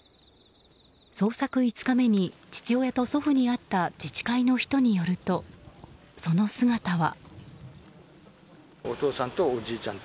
捜索５日目に父親と祖父に会った自治会の人によるとその姿は。